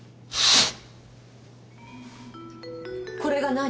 これが何？